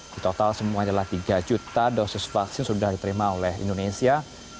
di total semuanya adalah tiga juta dosis vaksin sudah diterima oleh indonesia